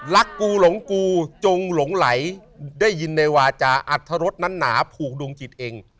กูหลงกูจงหลงไหลได้ยินในวาจาอัธรสนั้นหนาผูกดวงจิตเอง